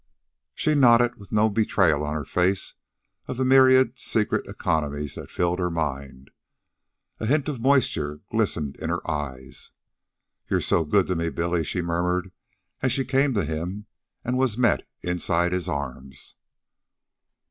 She nodded, with no betrayal on her face of the myriad secret economies that filled her mind. A hint of moisture glistened in her eyes. "You're so good to me, Billy," she murmured, as she came to him and was met inside his arms.